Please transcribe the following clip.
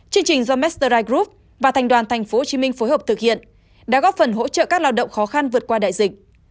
chương trình do mastery group và thành đoàn tp hcm phối hợp thực hiện đã góp phần hỗ trợ các lao động khó khăn vượt qua đại dịch